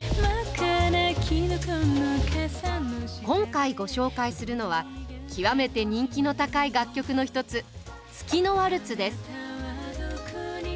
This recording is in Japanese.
今回ご紹介するのは極めて人気の高い楽曲の１つ「月のワルツ」です。